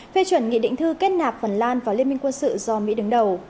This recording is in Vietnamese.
phê chuẩn nghị định thư kết nạp phần lan vào liên minh quân sự do mỹ đứng đầu